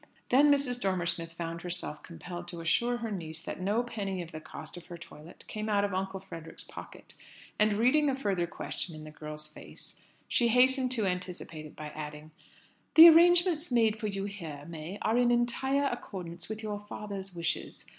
Then Mrs. Dormer Smith found herself compelled to assure her niece that no penny of the cost of her toilet came out of Uncle Frederick's pocket, and reading a further question in the girl's face, she hastened to anticipate it by adding, "The arrangements made for you here, May, are in entire accordance with your father's wishes.